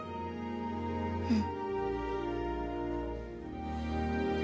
うん。